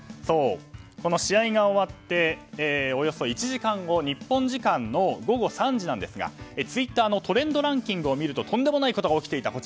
試合が終わっておよそ１時間後日本時間の午後３時なんですがツイッターのトレンドランキングを見るととんでもないことが起きていた。